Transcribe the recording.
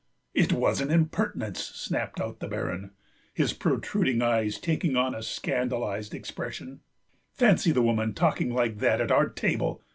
"It was an impertinence," snapped out the Baron, his protruding eyes taking on a scandalised expression; "fancy the woman talking like that at our table.